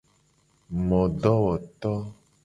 Modowoto.